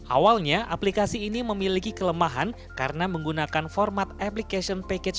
awalnya aplikasi ini memiliki kelemahan karena menggunakan format application package